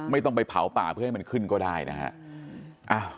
ไม่ต้องไปเผาป่าเพื่อให้มันขึ้นก็ได้นะฮะ